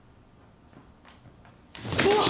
うわっ！